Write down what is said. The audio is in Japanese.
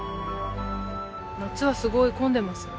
夏はすごい混んでますよね